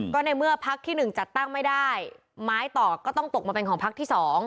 ก็ในเมื่อพักที่๑จัดตั้งไม่ได้ไม้ต่อก็ต้องตกมาเป็นของพักที่๒